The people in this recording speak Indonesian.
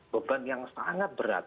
beban yang sangat berat